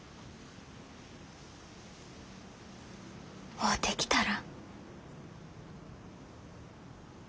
会うてきたら？